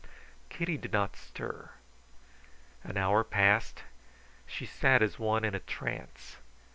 Kitty did not stir. An hour passed; she sat as one in a trance.